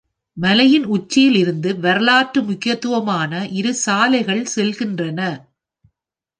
மலையின் உச்சியில் இருந்து வரலாற்று முக்கியத்துவமான இரு சாலைகள் செல்கின்றன.